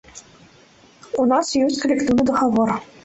У нас ёсць калектыўны дагавор.